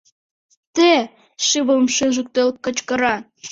— Те! — шӱвылым шыжыктыл кычкыра.